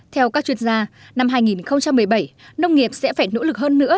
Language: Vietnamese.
theo các chuyên gia năm hai nghìn một mươi bảy nông nghiệp sẽ phải nỗ lực hơn nữa